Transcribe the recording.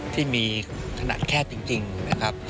ที่มีขนาดแคบจริงนะครับ